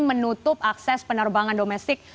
menutup akses penerbangan domestik